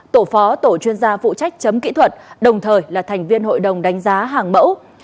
tổ phó tổ chuyên gia phụ trách chấm kỹ thuật đồng thời là thành viên hội đồng đánh giá hàng mẫu